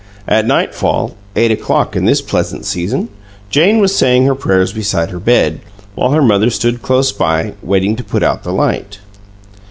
At nightfall eight o'clock in this pleasant season Jane was saying her prayers beside her bed, while her mother stood close by, waiting to put out the light.